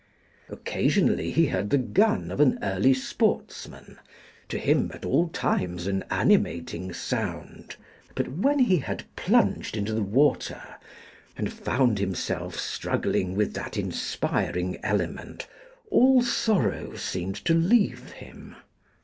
Occasionally he heard the gun of an early sportsman, to him at all times an animating sound; but when he had plunged into the water, and found himself struggling with that inspiring element, all sorrow seemed to leave him.